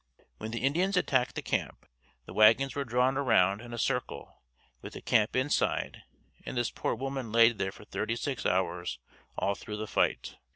When the Indians attacked the camp, the wagons were drawn around in a circle with the camp inside and this poor woman laid there for thirty six hours all through the fight.